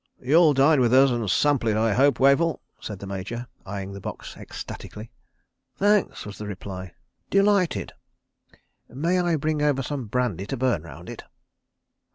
... "You'll dine with us and sample it, I hope, Wavell?" said the Major, eyeing the box ecstatically. "Thanks," was the reply. "Delighted. ... May I bring over some brandy to burn round it?"